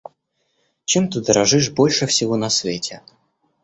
Чем ты дорожишь больше всего на свете?